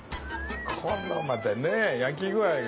このまたねぇ焼き具合が。